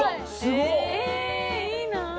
えいいな。